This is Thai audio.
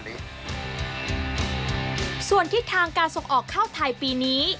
ส่วนทิศทางการส่งออกข้าวไทยปีนี้